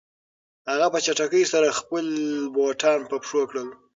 هغه په چټکۍ سره خپلې بوټان په پښو کړل.